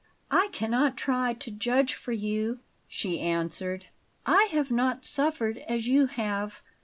"I cannot try to judge for you," she answered. "I have not suffered as you have.